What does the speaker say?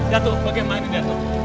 datuk bagaimana ini datuk